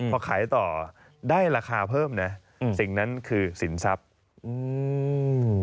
พอขายต่อได้ราคาเพิ่มนะอืมสิ่งนั้นคือสินทรัพย์อืม